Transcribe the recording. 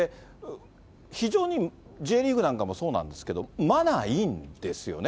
非常にＪリーグなんかもそうなんですけど、マナーいいんですよね。